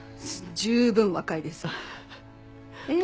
十分若いです。え！